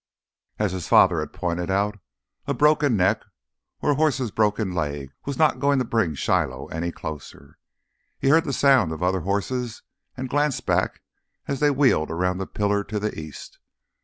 As his father had pointed out, a broken neck or a horse's broken leg was not going to bring Shiloh any closer. He heard the sound of other horses and glanced back as they wheeled around the pillar to the east.